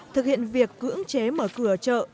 thực hiện việc cưỡng chế mở cửa chợ